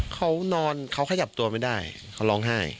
เขานอนเขาขยับตัวไม่ได้เขาร้องไห้